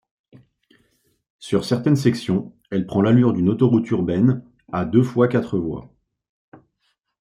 Sur certaines sections, elle prend l'allure d'une autoroute urbaine à deux fois quatre voies.